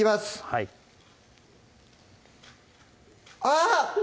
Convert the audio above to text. はいあぁ！